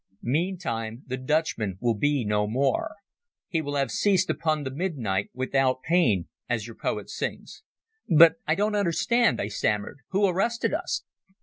Meantime the Dutchman will be no more. He will have ceased upon the midnight without pain, as your poet sings." "But I don't understand," I stammered. "Who arrested us?"